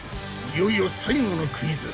いよいよ最後のクイズ。